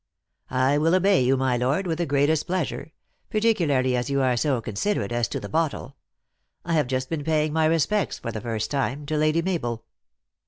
" I will obey you, my lord, with the greatest pleas ure, particularly as you are so considerate as to the bottle. I have just been paying my respects, for the first time, to Lady Mabel."